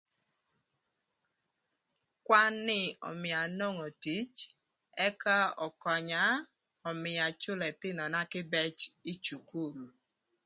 Kwan ni ömïa anongo tic ëka ökönya ömïö acülö ëthïnöna kïbëc ï cukul.